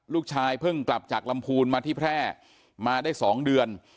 ลูกชายเพิ่งกลับจากลำพูนมาที่แพร่มาได้๒เดือน